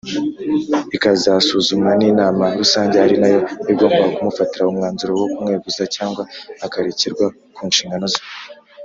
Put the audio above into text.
ikazasuzumwa n’inama rusange ari nayo igomba kumufatira umwanzuro wo kumweguza cyangwa akarekerwa ku nshingano ze.